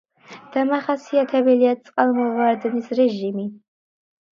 დამახასიათებელია წყალმოვარდნის რეჟიმი.